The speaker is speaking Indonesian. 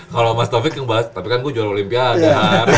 kalau mas taufik yang bahas tapi kan gue juara olimpiade